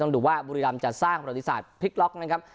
ดูว่าบุรีรำจะสร้างประวัติศาสตร์พลิกล็อกนะครับ